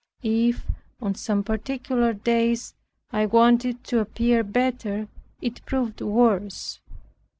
If on some particular days I wanted to appear better, it proved worse.